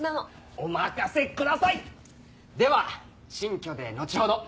お任せください！では新居で後ほど。